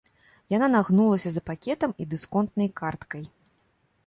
Яна нагнулася за пакетам і дысконтнай карткай.